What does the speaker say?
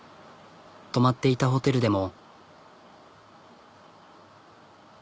泊まっていたホテルでも。